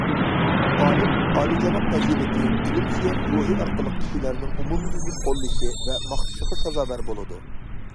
ئالىم ئالىيجاناب پەزىلىتى، ئىلىم سۆيەر روھى ئارقىلىق كىشىلەرنىڭ ئومۇميۈزلۈك قوللىشى ۋە ماختىشىغا سازاۋەر بولىدۇ.